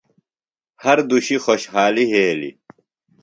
ہر دُشی خوۡشحالیۡ یھیلیۡ۔